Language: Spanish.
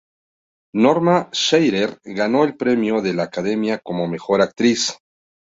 Norma Shearer ganó el premio de la academia como mejor actriz.